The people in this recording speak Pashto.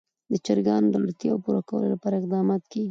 د چرګانو د اړتیاوو پوره کولو لپاره اقدامات کېږي.